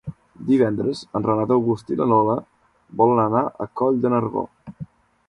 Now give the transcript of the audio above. Divendres en Renat August i na Lola volen anar a Coll de Nargó.